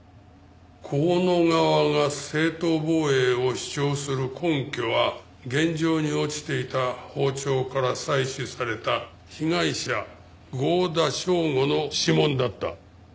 香野側が正当防衛を主張する根拠は現場に落ちていた包丁から採取された被害者剛田祥吾の指紋だった。